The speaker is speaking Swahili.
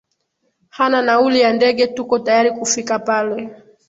hana nauli ya ndege tuko tayari kufika pale